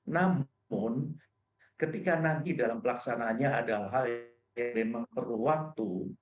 namun ketika nanti dalam pelaksanaannya ada hal yang memang perlu waktu